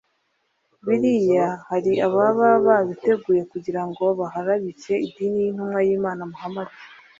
biriya hari ababa babiteguye kugira ngo baharabike idini y’intumwa y’Imana Muhammad”